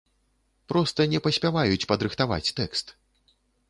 Проста не паспяваюць падрыхтаваць тэкст.